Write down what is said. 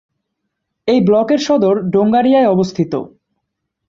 এই ব্লকের সদর ডোঙ্গাড়িয়ায় অবস্থিত।